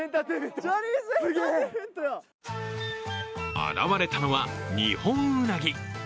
現れたのはニホンウナギ。